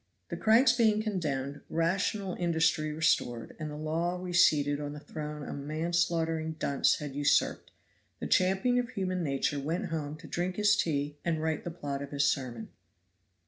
The cranks being condemned, rational industry restored, and the law reseated on the throne a manslaughtering dunce had usurped, the champion of human nature went home to drink his tea and write the plot of his sermon.